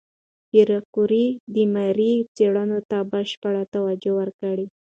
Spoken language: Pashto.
پېیر کوري د ماري څېړنو ته بشپړ توجه ورکړه.